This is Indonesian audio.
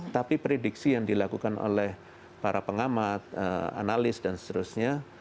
tapi prediksi yang dilakukan oleh para pengamat analis dan seterusnya